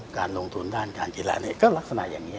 การลงทุนด้านการกีฬาก็ลักษณะอย่างนี้